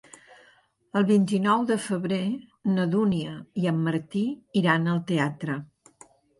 El vint-i-nou de febrer na Dúnia i en Martí iran al teatre.